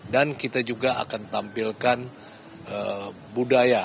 dan kita juga akan tampilkan budaya